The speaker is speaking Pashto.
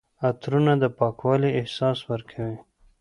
عطرونه د پاکوالي احساس ورکوي.